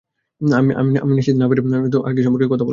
আমি নিশ্চিত না বাড়িতে ফিরে আমাকে আর কী সম্পর্কে কথা বলা উচিত।